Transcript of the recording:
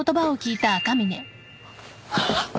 あっ。